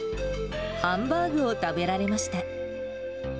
ハンバーグを食べられました。